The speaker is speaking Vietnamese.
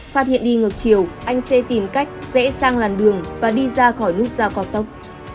phát hiện đi ngược chiều anh c tìm cách rẽ sang làn đường và đi ra khỏi nút giao cao tốc